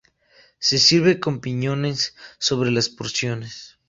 Se sirve con piñones sobre las porciones.